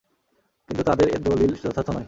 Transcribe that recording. কিন্তু তাদের এ দলীল যথার্থ নয়।